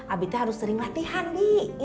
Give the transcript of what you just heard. abi teh harus sering latihan bi